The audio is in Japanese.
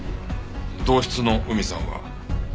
同室の海さんは？